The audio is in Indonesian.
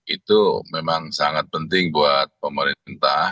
itu memang sangat penting buat pemerintah